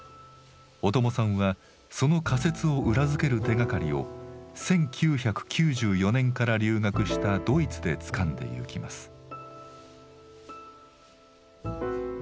小友さんはその仮説を裏付ける手がかりを１９９４年から留学したドイツでつかんでゆきます。